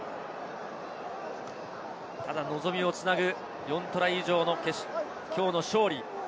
ただ望みをつなぐ４トライ以上のきょうの勝利。